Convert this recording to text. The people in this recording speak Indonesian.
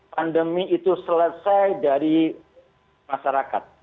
pandemi itu selesai dari masyarakat